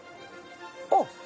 あっ！